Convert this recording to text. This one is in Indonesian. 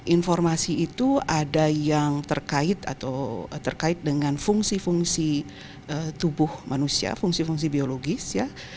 informasi itu ada yang terkait atau terkait dengan fungsi fungsi tubuh manusia fungsi fungsi biologis ya